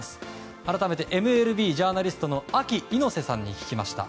改めてＭＬＢジャーナリストのＡＫＩ猪瀬さんに聞きました。